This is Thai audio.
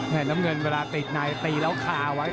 น้ำเงินเวลาติดในตีแล้วคาไว้